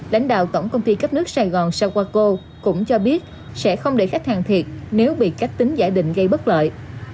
lãnh đạo tổng công ty cấp nước sài gòn sao qua co cũng cho biết sẽ không để khách hàng thiệt nếu bị các tính giải định gây bất lợi